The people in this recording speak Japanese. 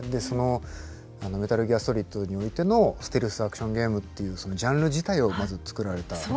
その「メタリギアソリッド」においてのステルスアクションゲームっていうそのジャンル自体をまずつくられた。